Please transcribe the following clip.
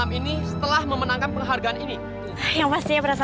eh nis jalan jalan anak orang kaya ya